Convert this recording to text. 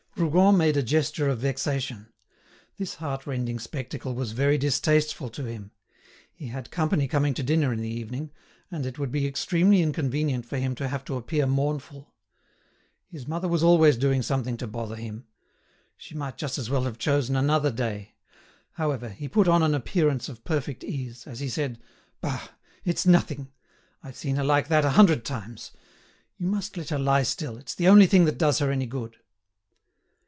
Rougon made a gesture of vexation. This heart rending spectacle was very distasteful to him. He had company coming to dinner in the evening, and it would be extremely inconvenient for him to have to appear mournful. His mother was always doing something to bother him. She might just as well have chosen another day. However, he put on an appearance of perfect ease, as he said: "Bah! it's nothing. I've seen her like that a hundred times. You must let her lie still; it's the only thing that does her any good."